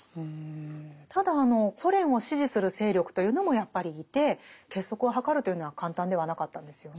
ただソ連を支持する勢力というのもやっぱりいて結束を図るというのは簡単ではなかったんですよね。